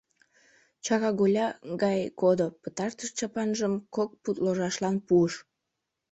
Чараголя гай кодо, пытартыш чапанжым кок пуд ложашлан пуыш.